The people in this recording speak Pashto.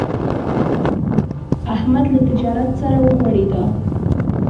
احمد له تجارت سره وغوړېدا.